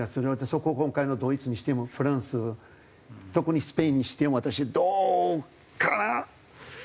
そこ今回のドイツにしてもフランス特にスペインにしても私どうかな。